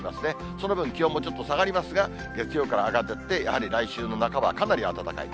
その分、気温もちょっと下がりますが、月曜から上がって、やはり来週の半ばはかなり暖かい。